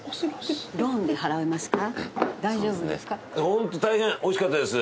ホント大変美味しかったです。